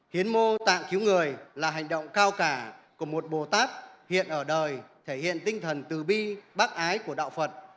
hiến mô tạng cứu người là hành động cao cả của một bồ tát hiện ở đời thể hiện tinh thần từ bi bác ái của đạo phật